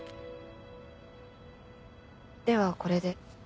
ではこれで。